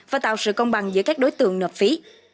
và tạo sự công bằng giữa các đối tượng nộp phí